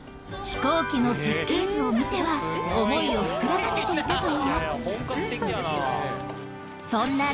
飛行機の設計図を見ては想いを膨らませていたといいます本格的やなぁ。